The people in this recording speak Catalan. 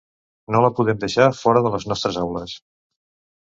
No la podem deixar fora de les nostres aules.